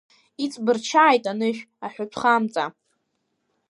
Иҵбырчааит анышә, аҳәатәхамҵа.